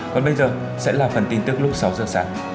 còn bây giờ sẽ là phần tin tức lúc sáu giờ sáng